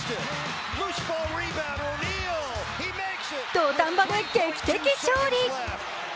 土壇場で劇的勝利。